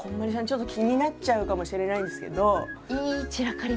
ちょっと気になっちゃうかもしれないんですけど。